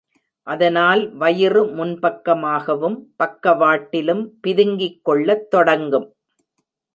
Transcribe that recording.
அதனால் வயிறு முன்பக்கமாகவும், பக்கவாட்டிலும் பிதுங்கிக் கொள்ளத் தொடங்கும்.